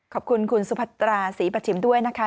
ขอบคุณคุณสุพัตราศรีประชิมด้วยนะคะ